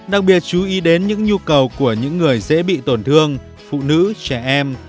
đặc biệt chú ý đến những nhu cầu của những người dễ bị tổn thương phụ nữ trẻ em